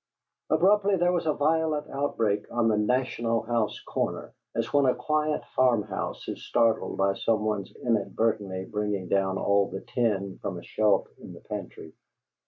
Abruptly there was a violent outbreak on the "National House" corner, as when a quiet farmhouse is startled by some one's inadvertently bringing down all the tin from a shelf in the pantry.